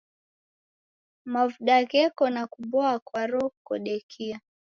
Mavuda gheko nakuboa kwaro kodekia.